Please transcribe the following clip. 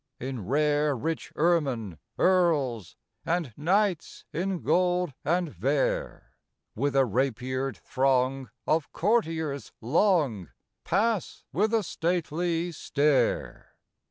In rare rich ermine, earls And knights in gold and vair, With a rapiered throng of courtiers long Pass with a stately stare.